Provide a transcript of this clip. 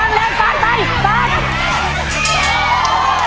ตีละครเรียนฟาสไปฟาส